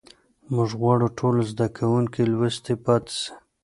موږ غواړو ټول زده کوونکي لوستي پاتې سي.